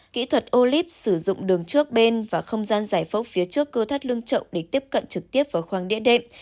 kỹ thuật ô líp sử dụng đường trước bên và không gian giải phóng phía trước cơ thắt lương trộng để tiếp cận trực tiếp vào khoang địa đệm